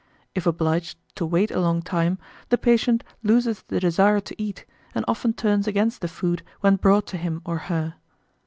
If obliged to wait a long time, the patient loses the desire to eat, and often turns against the food when brought to him or her.